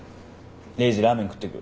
レイジラーメン食ってく？